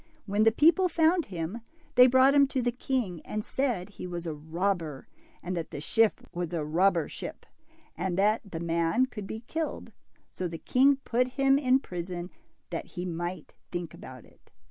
When the people found him, they brought him to the king, and said he was a robber, and that the ship was a robber ship, and that the man should be killed; so the king put him in prison, that he might think about it.